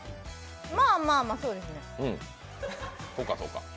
まあまあ、そうですね。